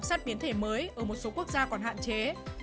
sát biến thể mới ở một số quốc gia còn hạn chế